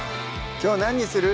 きょう何にする？